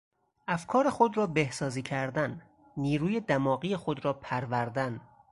افکار خود را بهسازی کردن، نیروی دماغی خود را پروردن